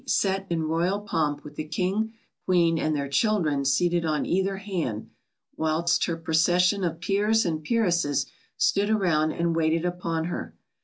_, sat in royal pomp with the King, Queen, and their children seated on either hand, whilst her procession of peers and peeresses stood around and waited upon her.